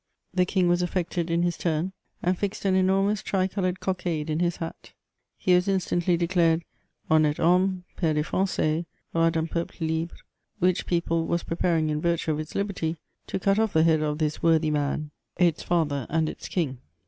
The king was affected in his torn, and fixed an enormous tri coloured cockade in his hat ; he was instantly declared honnite homme^ pere des Frangais^ roi dun peuple libre — which people was preparing, in virtue of its liberty, to cut off the head of this worthy many its father, and its king